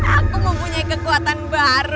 aku mempunyai kekuatan baru